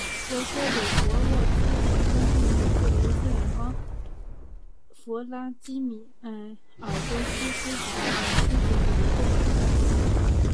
博戈柳博沃农村居民点是俄罗斯联邦弗拉基米尔州苏兹达尔区所属的一个农村居民点。